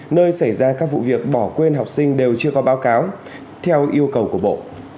nơi xảy ra các vụ việc bỏ quên học sinh đều chưa có báo cáo theo yêu cầu của bộ